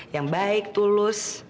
yang baik tulus